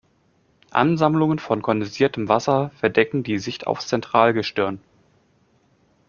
Ansammlungen von kondensiertem Wasser verdecken die Sicht aufs Zentralgestirn.